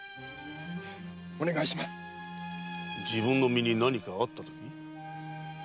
〕自分の身に何かあったとき。